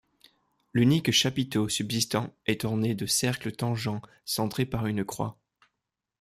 L'unique chapiteau subsistant est orné de cercles tangents centrés par une croix.